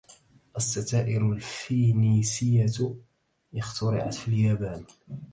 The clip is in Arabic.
الستائر الفينيسية أخترعت في اليابان.